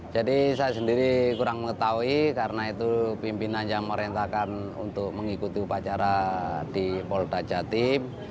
jadi saya sendiri kurang mengetahui karena itu pimpinan yang merentakan untuk mengikuti upacara di polda jatim